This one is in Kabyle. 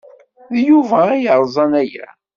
D Yuba ay yerẓan aya.